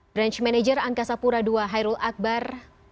branch manager angkasa pura ii hairul akbar